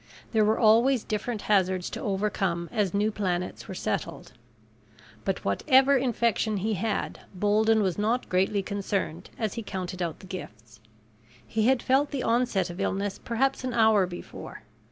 There were always different hazards to overcome as new planets were settled. But whatever infection he had, Bolden was not greatly concerned as he counted out the gifts. He had felt the onset of illness perhaps an hour before.